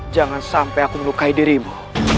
jangan sampai aku melukai dirimu